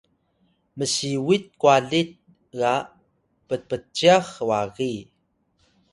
msiwit kwalit ga ppcyax wagi